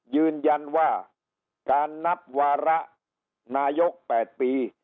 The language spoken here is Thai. ยืนยันว่าการนับวาระนายก๘ปี